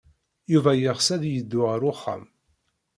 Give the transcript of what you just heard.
Yuba yeɣs ad yeddu ɣer uxxam.